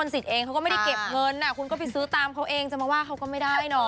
และกระวังใจ